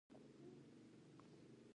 په افغانستان کې د هرات تاریخ ډېر اوږد دی.